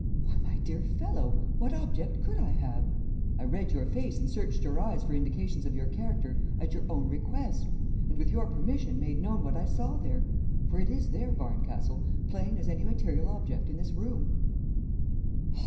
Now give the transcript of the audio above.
"Why, my dear fellow, what object could I have? I read your face and searched your eyes for indications of your character at your own request, and with your permission made known what I saw there for it is there, Barncastle, plain as any material object in this room."